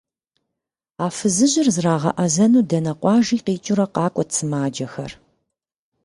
А фызыжьыр зрагъэӏэзэну дэнэ къуажи къикӏыурэ къакӏуэт сымаджэхэр.